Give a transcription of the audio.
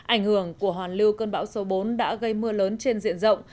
ảnh hưởng của hoàn lưu cơn bão số bốn đã gây mưa lớn trên diện rộng